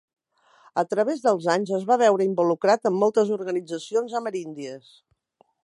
A través dels anys es va veure involucrat amb moltes organitzacions ameríndies.